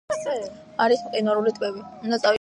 არის მყინვარული ტბები.